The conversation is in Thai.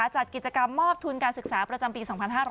จัดกิจกรรมมอบทุนการศึกษาประจำปี๒๕๕๙